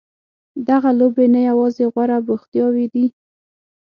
دغه لوبې نه یوازې غوره بوختیاوې دي.